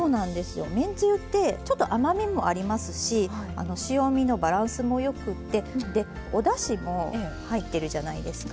めんつゆってちょっと甘みもありますし塩みのバランスもよくてでおだしも入ってるじゃないですか。